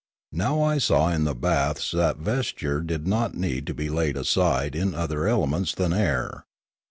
Now I saw in the baths that the vesture did not need to be laid aside in other elements than air.